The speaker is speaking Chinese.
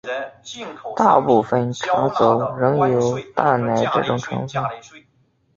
大部份茶走仍有淡奶这种成份。